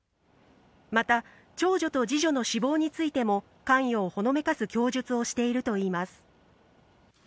また長女と次女の死亡についても、関与をほのめかす供述をしているといいます。